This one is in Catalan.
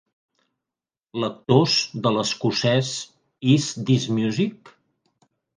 Lectors de l'escocès Is this music?